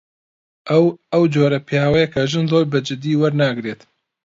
ئەو، ئەو جۆرە پیاوەیە کە ژن زۆر بەجددی وەرناگرێت.